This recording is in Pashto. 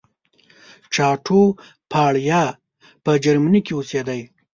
چاټوپاړیا په جرمني کې اوسېدی.